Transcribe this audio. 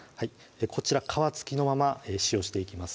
こちら皮つきのまま使用していきます